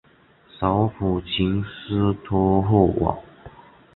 首府琴斯托霍瓦。